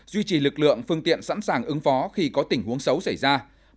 duy trì lực lượng phương tiện sẵn sàng ứng phó khi có tình huống xấu xảy ra